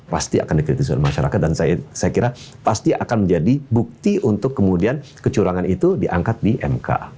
pasti akan dikritisi oleh masyarakat dan saya kira pasti akan menjadi bukti untuk kemudian kecurangan itu diangkat di mk